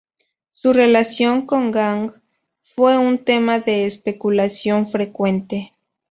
Su relación con Jang fue un tema de especulación frecuente.